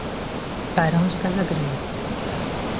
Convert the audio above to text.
barão de Casagrande